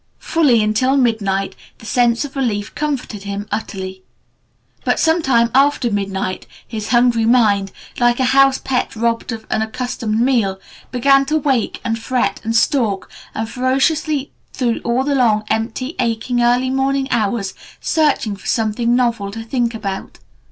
Fully until midnight the sense of relief comforted him utterly. But some time after midnight, his hungry mind, like a house pet robbed of an accustomed meal, began to wake and fret and stalk around ferociously through all the long, empty, aching, early morning hours, searching for something novel to think about.